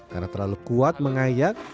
karena terlalu kuat mengayak